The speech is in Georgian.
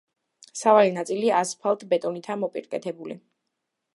სავალი ნაწილი ასფალტ-ბეტონითაა მოპირკეთებული.